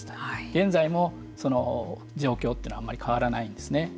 現在もその状況というのはあまり変わらないんですね。